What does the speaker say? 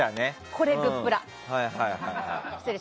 これ、グップラ。